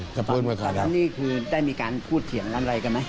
นี่คือได้มีการพูดเถียงกันอะไรกันไหม